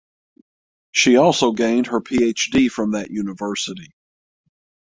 She also gained her PhD from that University.